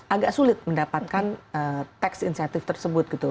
agak sulit mendapatkan tax insentif tersebut gitu